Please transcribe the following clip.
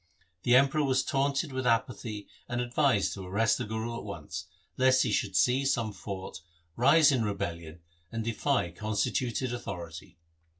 The Emperor was taunted with apathy and advised to arrest the Guru at once, lest he should seize some fort, rise in rebellion and defy constituted authority.